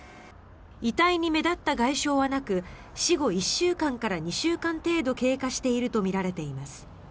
遺体に目立った外傷はなく死後１週間から２週間程度経過しているとみられています。